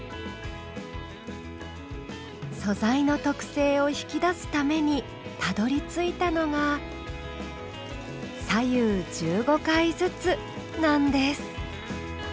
素材の特性を引き出すためにたどりついたのが「左右１５回ずつ」なんです。